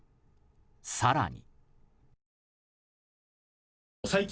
更に。